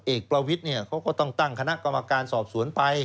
เอกประวิทย์เขาก็ต้องตั้งคณะกรรมการสอบสวนไป